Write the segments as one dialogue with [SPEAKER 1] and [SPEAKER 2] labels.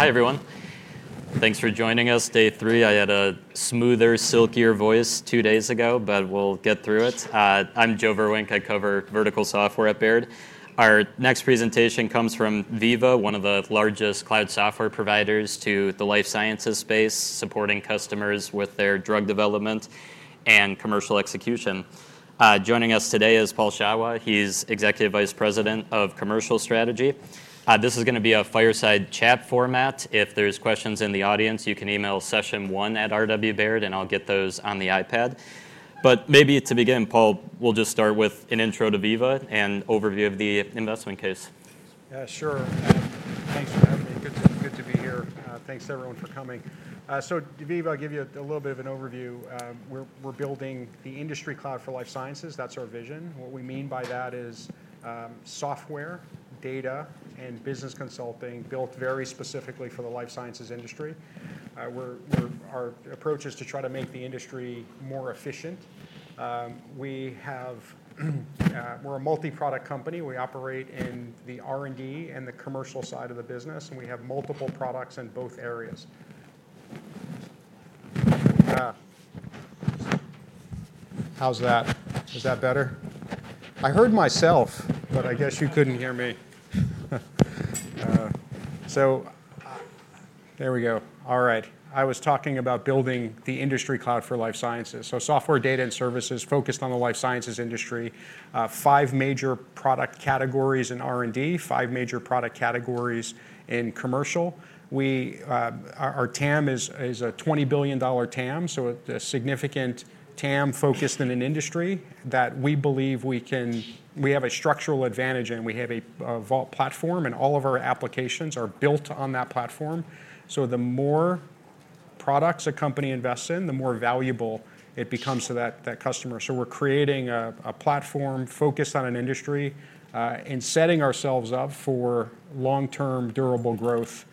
[SPEAKER 1] Hi, everyone. Thanks for joining us. Day three. I had a smoother, silkier voice two days ago, but we'll get through it. I'm Joe Vruwink. I cover vertical software at Baird. Our next presentation comes from Veeva, one of the largest cloud software providers to the life sciences space, supporting customers with their drug development and commercial execution. Joining us today is Paul Shawah. He's Executive Vice President of Commercial Strategy. This is going to be a fireside chat format. If there are questions in the audience, you can email session1@rwbaird.com, and I'll get those on the iPad. But maybe to begin, Paul, we'll just start with an intro to Veeva and an overview of the investment case.
[SPEAKER 2] Yeah, sure. Thanks for having me. Good to be here. Thanks, everyone, for coming. So Veeva, I'll give you a little bit of an overview. We're building the industry cloud for life sciences. That's our vision. What we mean by that is software, data, and business consulting built very specifically for the life sciences industry. Our approach is to try to make the industry more efficient. We're a multi-product company. We operate in the R&D and the commercial side of the business. And we have multiple products in both areas. How's that? Is that better? I heard myself, but I guess you couldn't hear me. So there we go. All right. I was talking about building the industry cloud for life sciences. So software, data, and services focused on the life sciences industry, five major product categories in R&D, five major product categories in commercial. Our TAM is a $20 billion TAM, so a significant TAM focused in an industry that we believe we have a structural advantage, and we have a Vault platform. And all of our applications are built on that platform. So the more products a company invests in, the more valuable it becomes to that customer. So we're creating a platform focused on an industry and setting ourselves up for long-term durable growth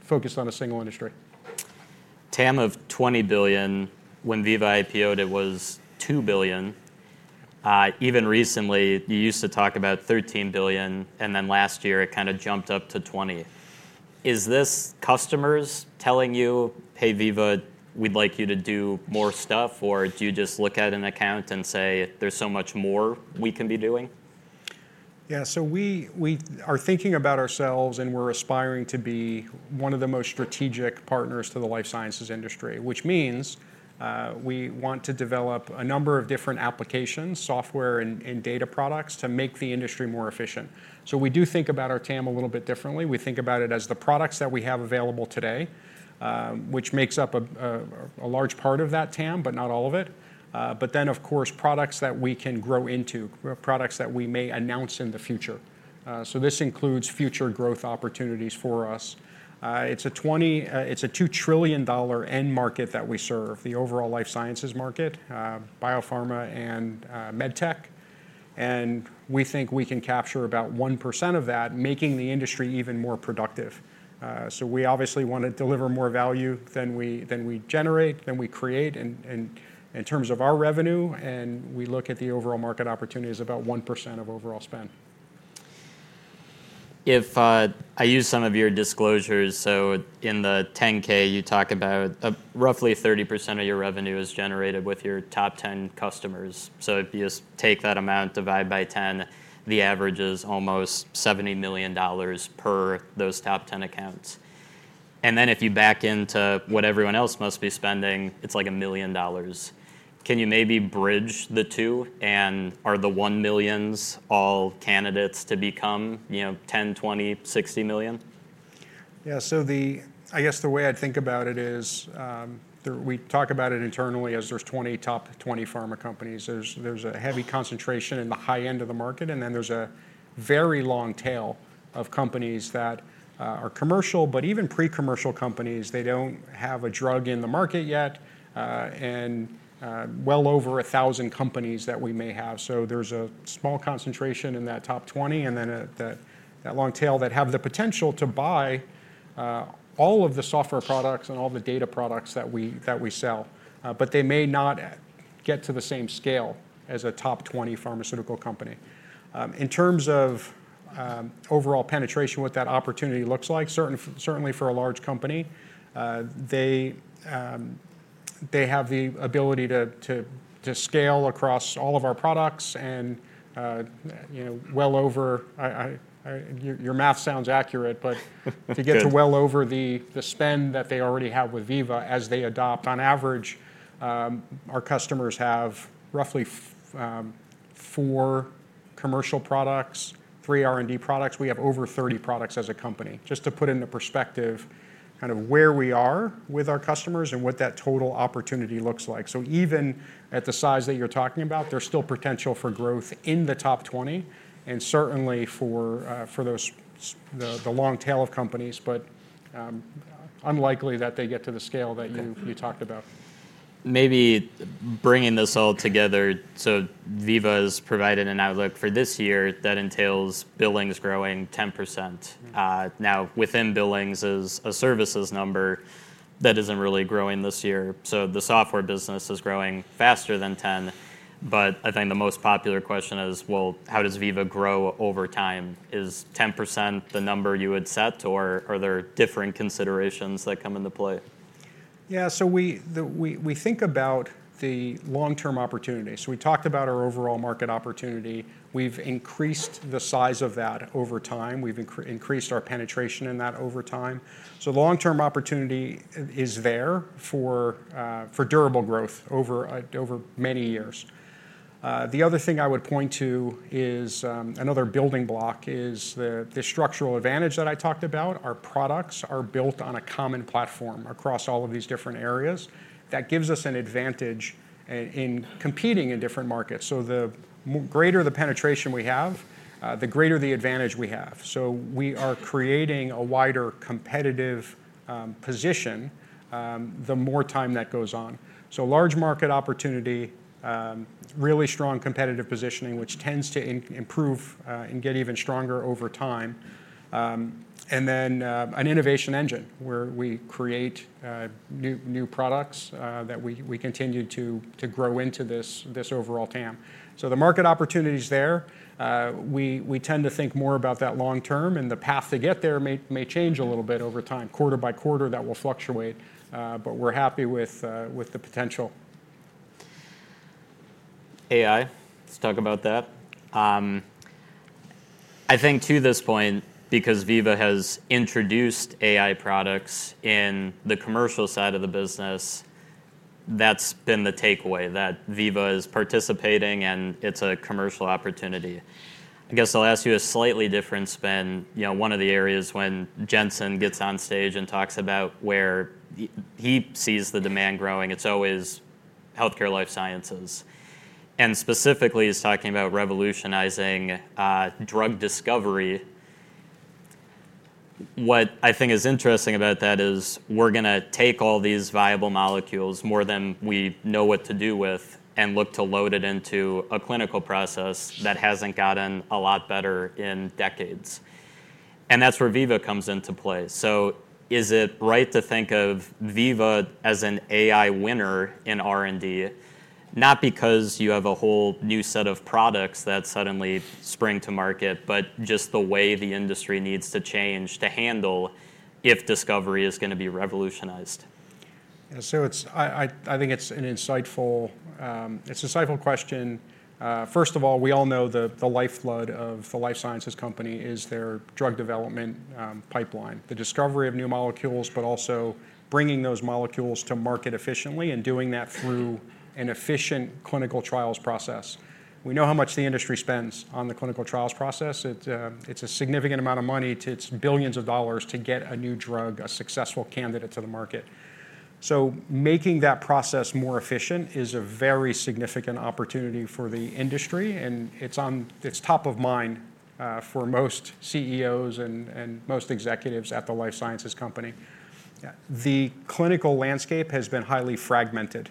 [SPEAKER 2] focused on a single industry.
[SPEAKER 1] TAM of $20 billion. When Veeva IPO'd, it was $2 billion. Even recently, you used to talk about $13 billion. And then last year, it kind of jumped up to $20 billion. Is this customers telling you, hey, Veeva, we'd like you to do more stuff? Or do you just look at an account and say, there's so much more we can be doing?
[SPEAKER 2] Yeah, so we are thinking about ourselves, and we're aspiring to be one of the most strategic partners to the life sciences industry, which means we want to develop a number of different applications, software, and data products to make the industry more efficient. So we do think about our TAM a little bit differently. We think about it as the products that we have available today, which makes up a large part of that TAM, but not all of it. But then, of course, products that we can grow into, products that we may announce in the future. So this includes future growth opportunities for us. It's a $2 trillion end market that we serve, the overall life sciences market, biopharma and med tech. We think we can capture about 1% of that, making the industry even more productive. We obviously want to deliver more value than we generate, than we create in terms of our revenue. We look at the overall market opportunity as about 1% of overall spend.
[SPEAKER 1] If I use some of your disclosures, so in the 10-K, you talk about roughly 30% of your revenue is generated with your top 10 customers. So if you just take that amount, divide by 10, the average is almost $70 million per those top 10 accounts. And then if you back into what everyone else must be spending, it's like $1 million. Can you maybe bridge the two? And are the $1 millions all candidates to become $10, $20, $60 million?
[SPEAKER 2] Yeah, so I guess the way I'd think about it is we talk about it internally as there's the top 20 pharma companies. There's a heavy concentration in the high end of the market. And then there's a very long tail of companies that are commercial, but even pre-commercial companies. They don't have a drug in the market yet, and well over 1,000 companies that we may have. So there's a small concentration in that top 20 and then that long tail that have the potential to buy all of the software products and all the data products that we sell. But they may not get to the same scale as a top 20 pharmaceutical company. In terms of overall penetration, what that opportunity looks like, certainly for a large company, they have the ability to scale across all of our products and well over your math sounds accurate, but to get to well over the spend that they already have with Veeva as they adopt. On average, our customers have roughly four commercial products, three R&D products. We have over 30 products as a company. Just to put into perspective kind of where we are with our customers and what that total opportunity looks like. So even at the size that you're talking about, there's still potential for growth in the top 20 and certainly for the long tail of companies, but unlikely that they get to the scale that you talked about.
[SPEAKER 1] Maybe bringing this all together, so Veeva has provided an outlook for this year that entails billings growing 10%. Now, within billings is a services number that isn't really growing this year. So the software business is growing faster than 10%. But I think the most popular question is, well, how does Veeva grow over time? Is 10% the number you had set? Or are there different considerations that come into play?
[SPEAKER 2] Yeah, so we think about the long-term opportunity. So we talked about our overall market opportunity. We've increased the size of that over time. We've increased our penetration in that over time. So long-term opportunity is there for durable growth over many years. The other thing I would point to is another building block, the structural advantage that I talked about. Our products are built on a common platform across all of these different areas. That gives us an advantage in competing in different markets. So the greater the penetration we have, the greater the advantage we have. So we are creating a wider competitive position the more time that goes on. So large market opportunity, really strong competitive positioning, which tends to improve and get even stronger over time. And then an innovation engine where we create new products that we continue to grow into this overall TAM. The market opportunity is there. We tend to think more about that long term. The path to get there may change a little bit over time. Quarter by quarter, that will fluctuate. We're happy with the potential.
[SPEAKER 1] AI, let's talk about that. I think to this point, because Veeva has introduced AI products in the commercial side of the business, that's been the takeaway, that Veeva is participating and it's a commercial opportunity. I guess I'll ask you a slightly different spin. One of the areas when Jensen gets on stage and talks about where he sees the demand growing, it's always health care, life sciences. And specifically, he's talking about revolutionizing drug discovery. What I think is interesting about that is we're going to take all these viable molecules more than we know what to do with and look to load it into a clinical process that hasn't gotten a lot better in decades. And that's where Veeva comes into play. So is it right to think of Veeva as an AI winner in R&D? Not because you have a whole new set of products that suddenly spring to market, but just the way the industry needs to change to handle if discovery is going to be revolutionized.
[SPEAKER 2] Yeah, so I think it's an insightful question. First of all, we all know the lifeblood of the life sciences company is their drug development pipeline, the discovery of new molecules, but also bringing those molecules to market efficiently and doing that through an efficient clinical trials process. We know how much the industry spends on the clinical trials process. It's a significant amount of money. It's billions of dollars to get a new drug a successful candidate to the market. So making that process more efficient is a very significant opportunity for the industry. And it's top of mind for most CEOs and most executives at the life sciences company. The clinical landscape has been highly fragmented.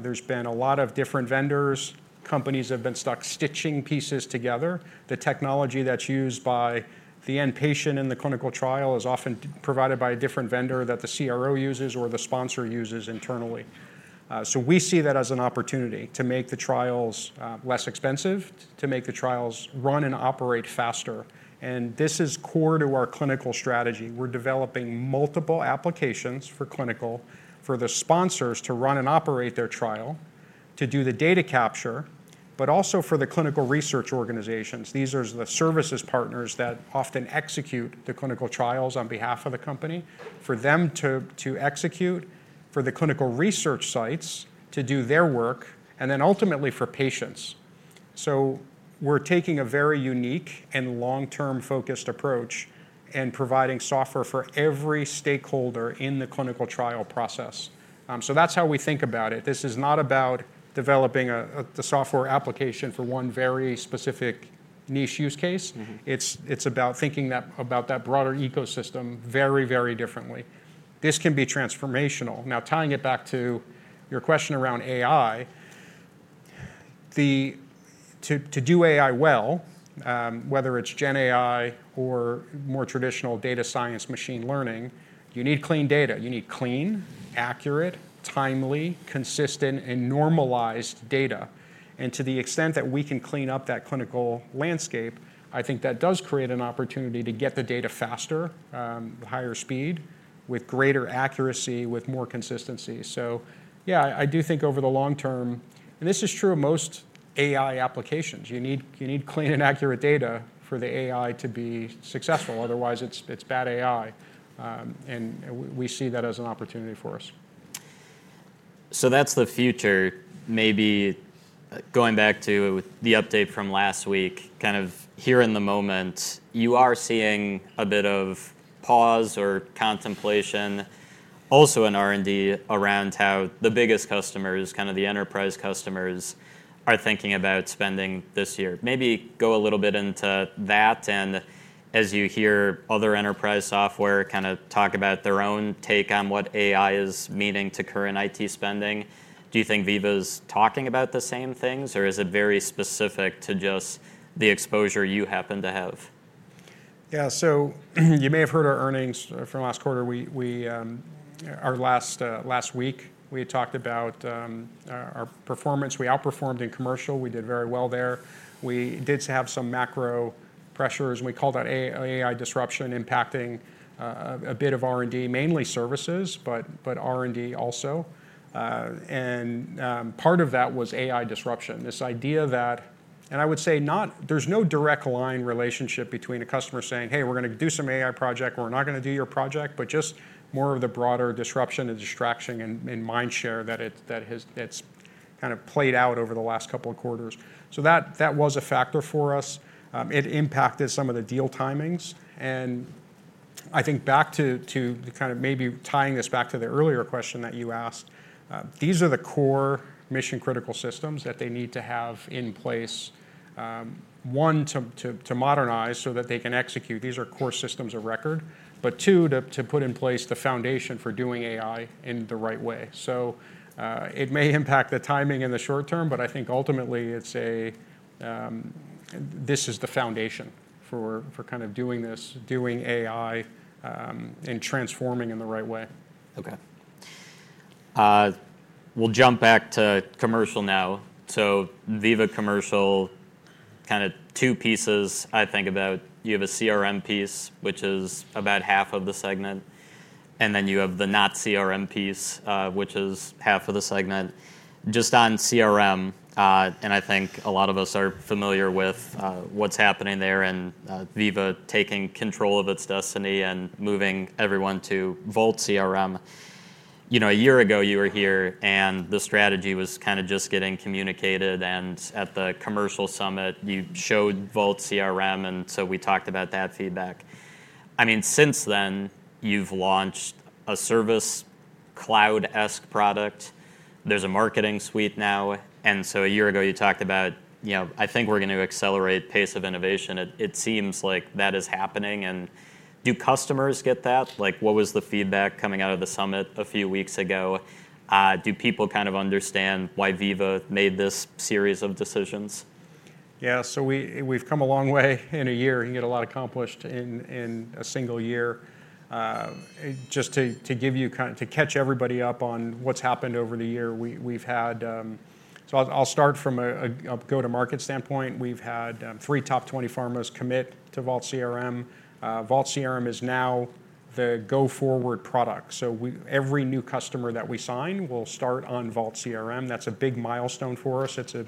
[SPEAKER 2] There's been a lot of different vendors. Companies have been stuck stitching pieces together. The technology that's used by the end patient in the clinical trial is often provided by a different vendor that the CRO uses or the sponsor uses internally. So we see that as an opportunity to make the trials less expensive, to make the trials run and operate faster. This is core to our clinical strategy. We're developing multiple applications for clinical for the sponsors to run and operate their trial, to do the data capture, but also for the clinical research organizations. These are the services partners that often execute the clinical trials on behalf of the company, for them to execute, for the clinical research sites to do their work, and then ultimately for patients. So we're taking a very unique and long-term focused approach and providing software for every stakeholder in the clinical trial process. That's how we think about it. This is not about developing the software application for one very specific niche use case. It's about thinking about that broader ecosystem very, very differently. This can be transformational. Now, tying it back to your question around AI, to do AI well, whether it's GenAI or more traditional data science machine learning, you need clean data. You need clean, accurate, timely, consistent, and normalized data. And to the extent that we can clean up that clinical landscape, I think that does create an opportunity to get the data faster, higher speed, with greater accuracy, with more consistency. So yeah, I do think over the long term and this is true of most AI applications. You need clean and accurate data for the AI to be successful. Otherwise, it's bad AI. And we see that as an opportunity for us.
[SPEAKER 1] So that's the future. Maybe going back to the update from last week, kind of here in the moment, you are seeing a bit of pause or contemplation also in R&D around how the biggest customers, kind of the enterprise customers, are thinking about spending this year. Maybe go a little bit into that. And as you hear other enterprise software kind of talk about their own take on what AI is meaning to current IT spending, do you think Veeva is talking about the same things? Or is it very specific to just the exposure you happen to have?
[SPEAKER 2] Yeah, so you may have heard our earnings from last quarter. Last week, we talked about our performance. We outperformed in commercial. We did very well there. We did have some macro pressures. We call that AI disruption impacting a bit of R&D, mainly services, but R&D also. Part of that was AI disruption. This idea that, and I would say not, there's no direct line relationship between a customer saying, hey, we're going to do some AI project. We're not going to do your project, but just more of the broader disruption and distraction and mind share that it's kind of played out over the last couple of quarters. So that was a factor for us. It impacted some of the deal timings. And I think back to kind of maybe tying this back to the earlier question that you asked, these are the core mission critical systems that they need to have in place. One, to modernize so that they can execute. These are core systems of record. But two, to put in place the foundation for doing AI in the right way. So it may impact the timing in the short term, but I think ultimately this is the foundation for kind of doing this, doing AI and transforming in the right way.
[SPEAKER 1] OK. We'll jump back to commercial now. So Veeva Commercial, kind of two pieces. I think about you have a CRM piece, which is about half of the segment. And then you have the not CRM piece, which is half of the segment. Just on CRM, and I think a lot of us are familiar with what's happening there and Veeva taking control of its destiny and moving everyone to Vault CRM. A year ago, you were here, and the strategy was kind of just getting communicated. And at the commercial summit, you showed Vault CRM. And so we talked about that feedback. I mean, since then, you've launched a Service Cloud-esque product. There's a marketing suite now. And so a year ago, you talked about, I think we're going to accelerate pace of innovation. It seems like that is happening. And do customers get that? What was the feedback coming out of the summit a few weeks ago? Do people kind of understand why Veeva made this series of decisions?
[SPEAKER 2] Yeah, so we've come a long way in a year. You can get a lot accomplished in a single year. Just to give you kind of to catch everybody up on what's happened over the year, we've had, so I'll start from a go-to-market standpoint. We've had three top 20 pharmas commit to Vault CRM. Vault CRM is now the go-forward product. So every new customer that we sign will start on Vault CRM. That's a big milestone for us. It's a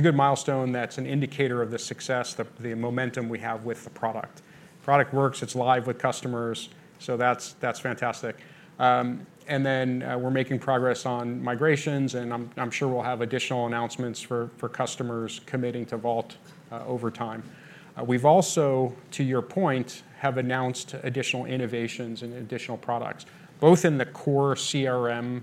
[SPEAKER 2] good milestone that's an indicator of the success, the momentum we have with the product. Product works. It's live with customers. So that's fantastic. And then we're making progress on migrations. And I'm sure we'll have additional announcements for customers committing to Vault over time. We've also, to your point, have announced additional innovations and additional products, both in the core CRM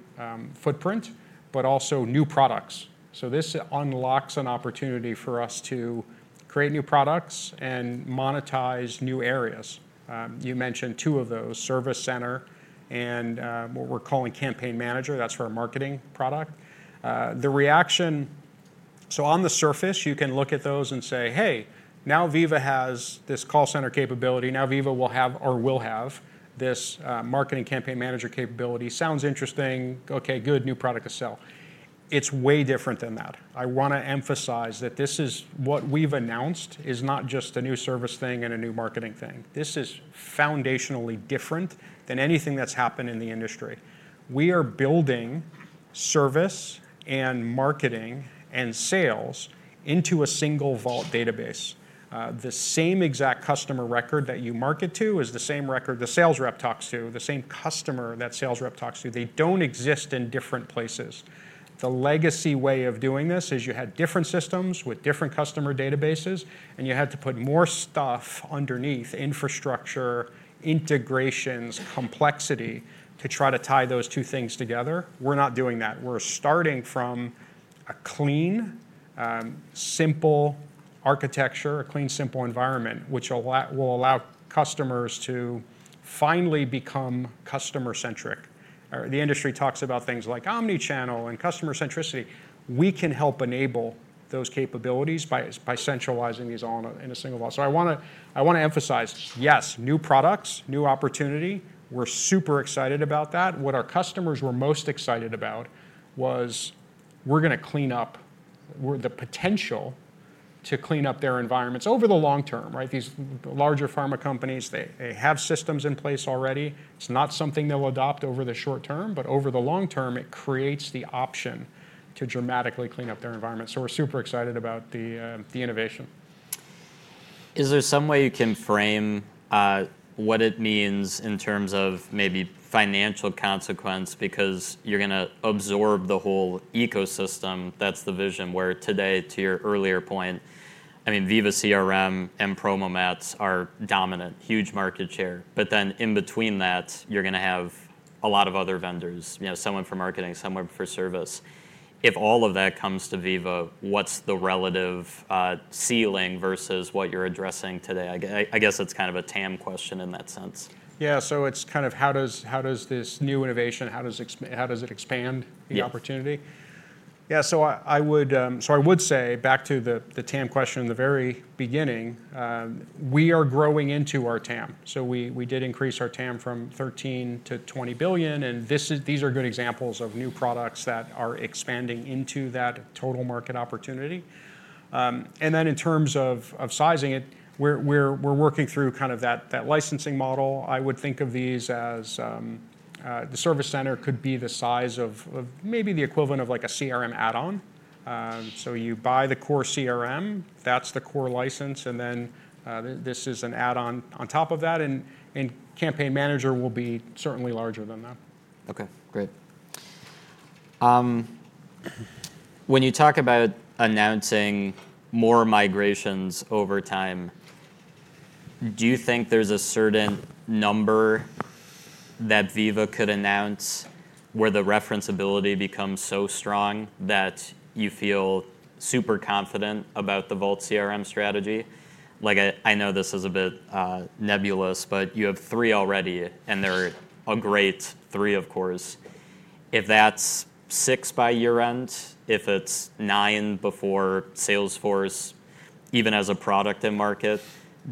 [SPEAKER 2] footprint, but also new products. So this unlocks an opportunity for us to create new products and monetize new areas. You mentioned two of those, Service Center and what we're calling Campaign Manager. That's for our marketing product. The reaction, so on the surface, you can look at those and say, hey, now Veeva has this call center capability. Now Veeva will have or will have this marketing campaign manager capability. Sounds interesting. Ok, good, new product to sell. It's way different than that. I want to emphasize that this is what we've announced is not just a new service thing and a new marketing thing. This is foundationally different than anything that's happened in the industry. We are building service and marketing and sales into a single Vault database. The same exact customer record that you market to is the same record the sales rep talks to, the same customer that sales rep talks to. They don't exist in different places. The legacy way of doing this is you had different systems with different customer databases. You had to put more stuff underneath infrastructure, integrations, complexity to try to tie those two things together. We're not doing that. We're starting from a clean, simple architecture, a clean, simple environment, which will allow customers to finally become customer-centric. The industry talks about things like omnichannel and customer centricity. We can help enable those capabilities by centralizing these all in a single Vault. So I want to emphasize, yes, new products, new opportunity. We're super excited about that. What our customers were most excited about was we're going to clean up the potential to clean up their environments over the long term. These larger pharma companies, they have systems in place already. It's not something they'll adopt over the short term. But over the long term, it creates the option to dramatically clean up their environment. So we're super excited about the innovation.
[SPEAKER 1] Is there some way you can frame what it means in terms of maybe financial consequence? Because you're going to absorb the whole ecosystem. That's the vision where today, to your earlier point, I mean, Veeva CRM and PromoMats are dominant, huge market share. But then in between that, you're going to have a lot of other vendors, someone for marketing, someone for service. If all of that comes to Veeva, what's the relative ceiling versus what you're addressing today? I guess it's kind of a TAM question in that sense.
[SPEAKER 2] Yeah, so it's kind of how does this new innovation, how does it expand the opportunity?
[SPEAKER 1] Yeah.
[SPEAKER 2] Yeah, so I would say back to the TAM question in the very beginning, we are growing into our TAM. So we did increase our TAM from $13 billion-$20 billion. And these are good examples of new products that are expanding into that total market opportunity. And then in terms of sizing it, we're working through kind of that licensing model. I would think of these as the Service Center could be the size of maybe the equivalent of like a CRM add-on. So you buy the core CRM. That's the core license. And then this is an add-on on top of that. And Campaign Manager will be certainly larger than that.
[SPEAKER 1] OK, great. When you talk about announcing more migrations over time, do you think there's a certain number that Veeva could announce where the referenceability becomes so strong that you feel super confident about the Vault CRM strategy? I know this is a bit nebulous, but you have three already. They're a great three, of course. If that's six by year end, if it's nine before Salesforce, even as a product and market,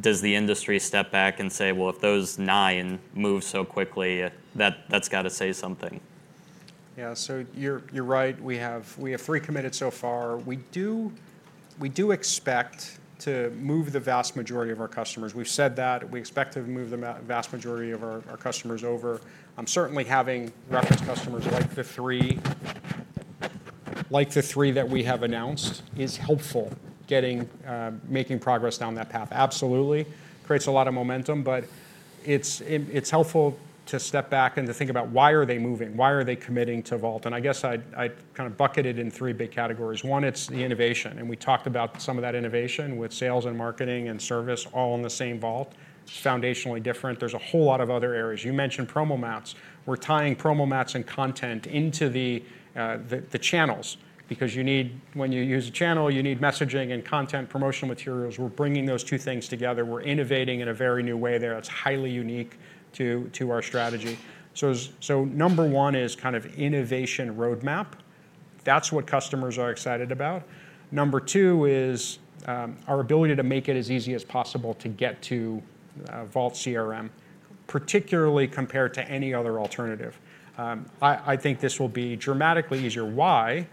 [SPEAKER 1] does the industry step back and say, well, if those nine move so quickly, that's got to say something.
[SPEAKER 2] Yeah, so you're right. We have three committed so far. We do expect to move the vast majority of our customers. We've said that. We expect to move the vast majority of our customers over. Certainly, having reference customers like the three that we have announced is helpful, making progress down that path. Absolutely. Creates a lot of momentum. But it's helpful to step back and to think about why are they moving? Why are they committing to Vault? And I guess I'd kind of bucket it in three big categories. One, it's the innovation. And we talked about some of that innovation with sales and marketing and service all in the same Vault. It's foundationally different. There's a whole lot of other areas. You mentioned PromoMats. We're tying PromoMats and content into the channels. Because when you use a channel, you need messaging and content, promotional materials. We're bringing those two things together. We're innovating in a very new way there that's highly unique to our strategy. So number one is kind of innovation roadmap. That's what customers are excited about. Number two is our ability to make it as easy as possible to get to Vault CRM, particularly compared to any other alternative. I think this will be dramatically easier. Why?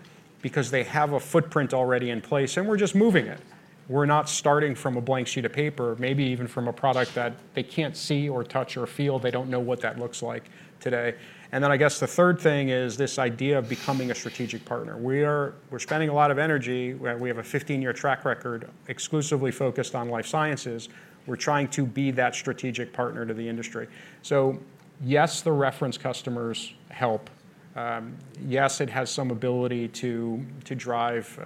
[SPEAKER 2] Because they have a footprint already in place. And we're just moving it. We're not starting from a blank sheet of paper, maybe even from a product that they can't see or touch or feel. They don't know what that looks like today. And then I guess the third thing is this idea of becoming a strategic partner. We're spending a lot of energy. We have a 15-year track record exclusively focused on life sciences. We're trying to be that strategic partner to the industry. So yes, the reference customers help. Yes, it has some ability to drive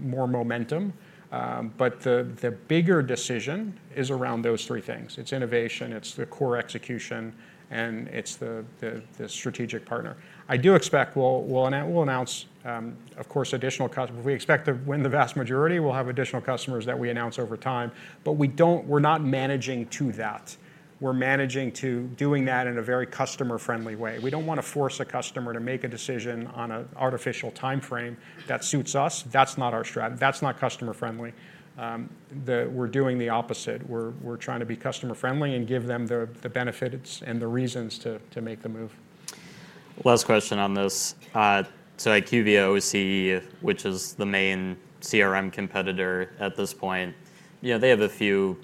[SPEAKER 2] more momentum. But the bigger decision is around those three things. It's innovation. It's the core execution. And it's the strategic partner. I do expect we'll announce, of course, additional customers. We expect that when the vast majority, we'll have additional customers that we announce over time. But we're not managing to that. We're managing to doing that in a very customer-friendly way. We don't want to force a customer to make a decision on an artificial time frame that suits us. That's not our strategy. That's not customer-friendly. We're doing the opposite. We're trying to be customer-friendly and give them the benefits and the reasons to make the move.
[SPEAKER 1] Last question on this. So IQVIA OCE, which is the main CRM competitor at this point, they have a few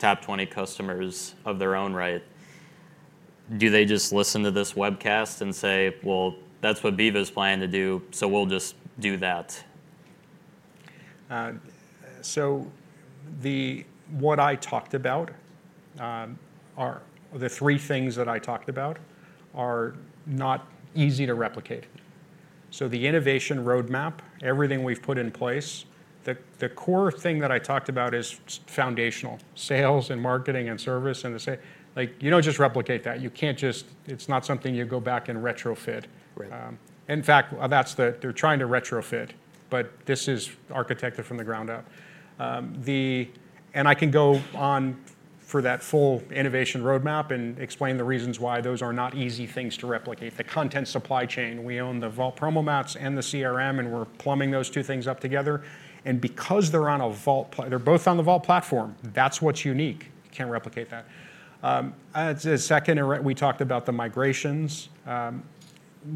[SPEAKER 1] top 20 customers of their own, right? Do they just listen to this webcast and say, well, that's what Veeva is planning to do, so we'll just do that?
[SPEAKER 2] So what I talked about, the three things that I talked about, are not easy to replicate. So the innovation roadmap, everything we've put in place, the core thing that I talked about is foundational. Sales and marketing and service and the sales, you don't just replicate that. It's not something you go back and retrofit. In fact, they're trying to retrofit. But this is architected from the ground up. And I can go on for that full innovation roadmap and explain the reasons why those are not easy things to replicate. The content supply chain, we own the PromoMats and the CRM, and we're plumbing those two things up together. And because they're on a Vault, they're both on the Vault platform. That's what's unique. You can't replicate that. Second, we talked about the migrations.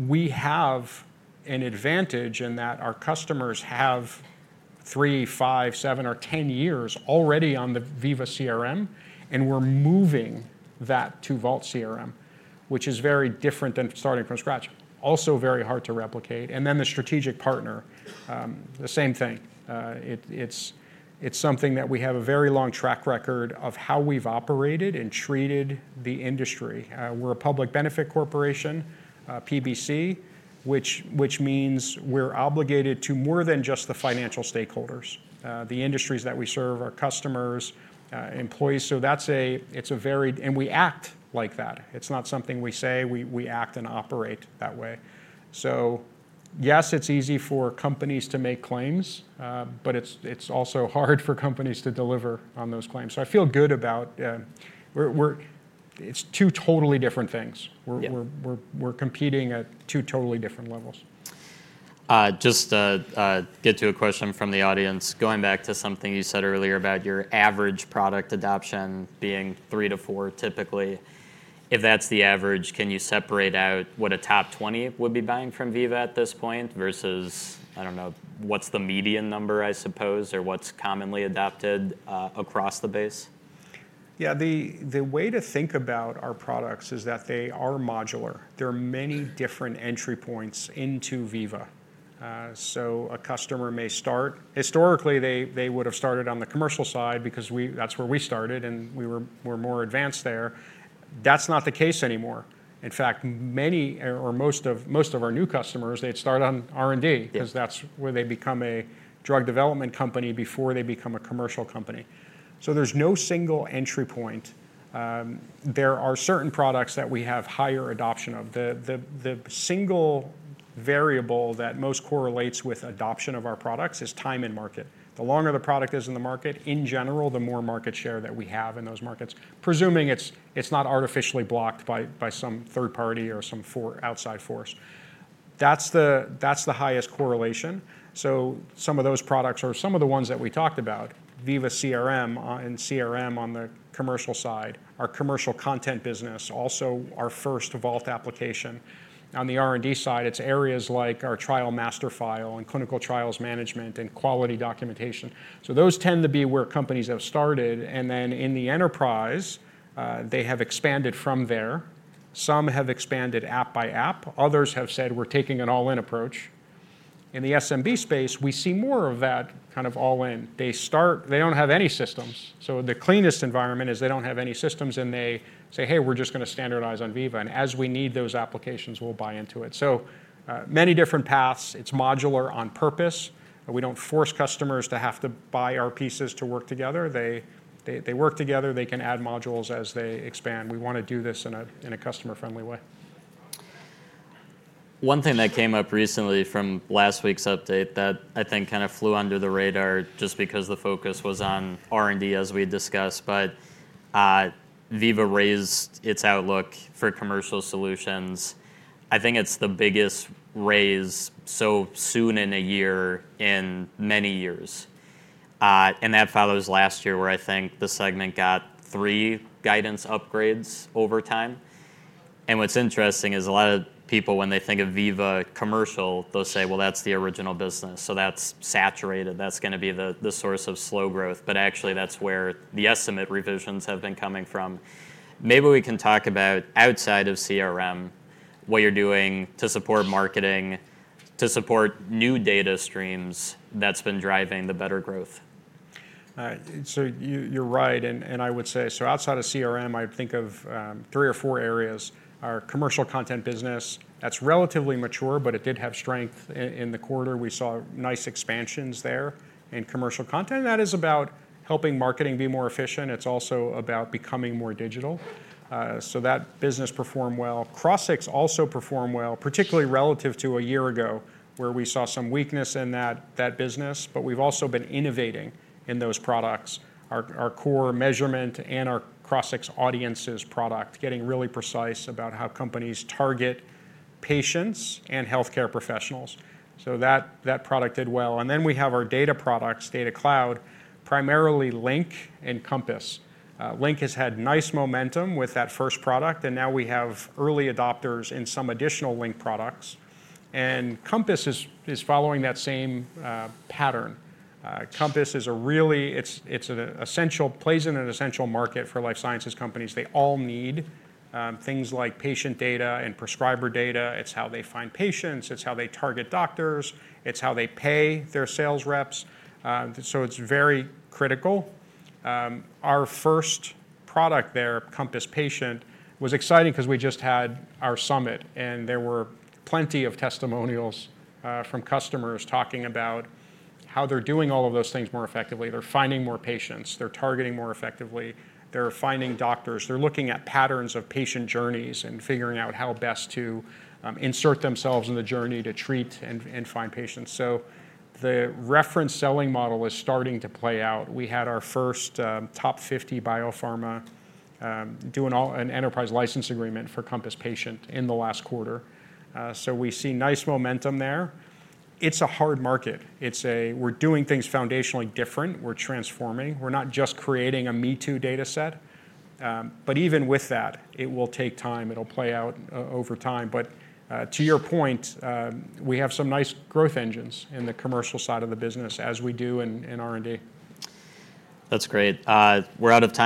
[SPEAKER 2] We have an advantage in that our customers have three, five, seven, or 10 years already on the Veeva CRM. And we're moving that to Vault CRM, which is very different than starting from scratch. Also very hard to replicate. And then the strategic partner, the same thing. It's something that we have a very long track record of how we've operated and treated the industry. We're a public benefit corporation, PBC, which means we're obligated to more than just the financial stakeholders. The industries that we serve, our customers, employees. So it's a very and we act like that. It's not something we say. We act and operate that way. So yes, it's easy for companies to make claims. But it's also hard for companies to deliver on those claims. So I feel good about it's two totally different things. We're competing at two totally different levels.
[SPEAKER 1] Just to get to a question from the audience, going back to something you said earlier about your average product adoption being 3-4 typically. If that's the average, can you separate out what a top 20 would be buying from Veeva at this point versus, I don't know, what's the median number, I suppose, or what's commonly adopted across the base?
[SPEAKER 2] Yeah, the way to think about our products is that they are modular. There are many different entry points into Veeva. So a customer may start historically, they would have started on the commercial side because that's where we started. And we were more advanced there. That's not the case anymore. In fact, many or most of our new customers, they'd start on R&D because that's where they become a drug development company before they become a commercial company. So there's no single entry point. There are certain products that we have higher adoption of. The single variable that most correlates with adoption of our products is time in market. The longer the product is in the market, in general, the more market share that we have in those markets, presuming it's not artificially blocked by some third party or some outside force. That's the highest correlation. So some of those products are some of the ones that we talked about, Veeva CRM and CRM on the commercial side, our commercial content business, also our first Vault application. On the R&D side, it's areas like our trial master file and clinical trials management and quality documentation. So those tend to be where companies have started. And then in the enterprise, they have expanded from there. Some have expanded app by app. Others have said, we're taking an all-in approach. In the SMB space, we see more of that kind of all-in. They don't have any systems. So the cleanest environment is they don't have any systems. And they say, hey, we're just going to standardize on Veeva. And as we need those applications, we'll buy into it. So many different paths. It's modular on purpose. We don't force customers to have to buy our pieces to work together. They work together. They can add modules as they expand. We want to do this in a customer-friendly way.
[SPEAKER 1] One thing that came up recently from last week's update that I think kind of flew under the radar just because the focus was on R&D, as we discussed, but Veeva raised its outlook for commercial solutions. I think it's the biggest raise so soon in a year in many years. That follows last year where I think the segment got three guidance upgrades over time. What's interesting is a lot of people, when they think of Veeva commercial, they'll say, well, that's the original business. So that's saturated. That's going to be the source of slow growth. But actually, that's where the estimate revisions have been coming from. Maybe we can talk about outside of CRM, what you're doing to support marketing, to support new data streams that's been driving the better growth.
[SPEAKER 2] So you're right. And I would say so outside of CRM, I think of three or four areas: our commercial content business. That's relatively mature. But it did have strength in the quarter. We saw nice expansions there in commercial content. That is about helping marketing be more efficient. It's also about becoming more digital. So that business performed well. Crossix also performed well, particularly relative to a year ago where we saw some weakness in that business. But we've also been innovating in those products, our core measurement and our Crossix audiences product, getting really precise about how companies target patients and health care professionals. So that product did well. And then we have our data products, Data Cloud, primarily Link and Compass. Link has had nice momentum with that first product. And now we have early adopters in some additional Link products. Compass is following that same pattern. Compass is, really, it plays in an essential market for life sciences companies. They all need things like patient data and prescriber data. It's how they find patients. It's how they target doctors. It's how they pay their sales reps. So it's very critical. Our first product there, Compass Patient, was exciting because we just had our summit. There were plenty of testimonials from customers talking about how they're doing all of those things more effectively. They're finding more patients. They're targeting more effectively. They're finding doctors. They're looking at patterns of patient journeys and figuring out how best to insert themselves in the journey to treat and find patients. The reference selling model is starting to play out. We had our first top 50 biopharma doing an enterprise license agreement for Compass Patient in the last quarter. We see nice momentum there. It's a hard market. We're doing things foundationally different. We're transforming. We're not just creating a me-too data set. But even with that, it will take time. It'll play out over time. But to your point, we have some nice growth engines in the commercial side of the business as we do in R&D.
[SPEAKER 1] That's great. We're out of time.